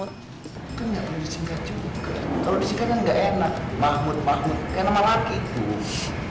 itu gak perlu di singkat juga kalo di singkat kan gak enak mahmud mahmud kayak nama laki itu